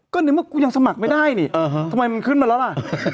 ก็นึกว่ากูยังสมัครไม่ได้นี่ทำไมมันขึ้นมาแล้วล่ะ